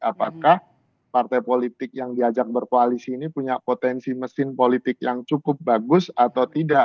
apakah partai politik yang diajak berkoalisi ini punya potensi mesin politik yang cukup bagus atau tidak